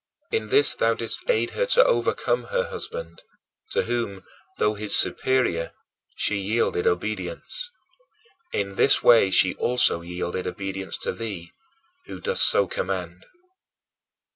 In this thou didst aid her to overcome her husband, to whom, though his superior, she yielded obedience. In this way she also yielded obedience to thee, who dost so command.